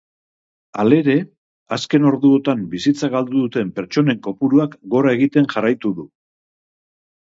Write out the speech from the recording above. Halere, azken orduotan bizitza galdu duten pertsonen kopuruak gora egiten jarraitu du.